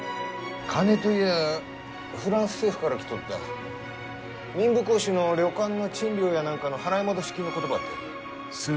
金といやぁフランス政府から来とった民部公子の旅館の賃料やなんかの払い戻し金のことばってん。